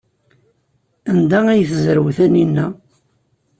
Anda ay tezrew Taninna?